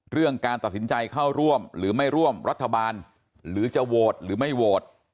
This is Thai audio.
เรื่องการตัดสินใจเข้าร่วมหรือไม่ร่วมรัฐบาลหรือจะโหวตหรือไม่โหวต